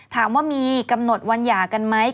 ถามว่ามีกำหนดวันหย่ากันไหม